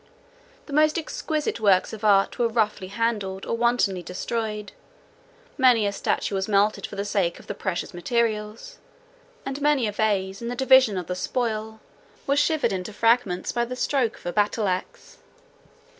The most exquisite works of art were roughly handled, or wantonly destroyed; many a statue was melted for the sake of the precious materials; and many a vase, in the division of the spoil, was shivered into fragments by the stroke of a battle axe.